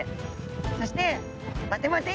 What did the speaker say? そして「待て待てい！